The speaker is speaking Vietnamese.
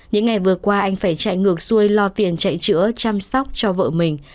những ngày vừa qua anh phải chạy ngược xuôi lo tiền chạy chữa chăm sóc cho vợ mình